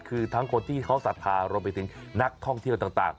คือทั้งคนที่เขาศรัทธารวมไปถึงนักท่องเที่ยวต่าง